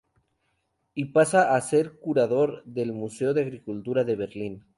Y pasa a ser curador del "Museo de Agricultura de Berlín".